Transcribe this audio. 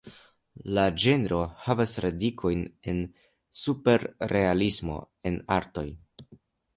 La ĝenro havas radikojn en superrealismo en artoj.